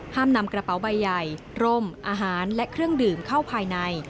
นำกระเป๋าใบใหญ่ร่มอาหารและเครื่องดื่มเข้าภายใน